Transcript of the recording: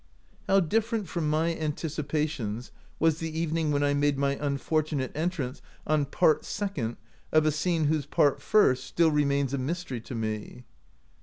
"How different from my anticipations was the evening when I made my unfortu nate entrance on part second oi a scene whose part first still remains a mystery to me.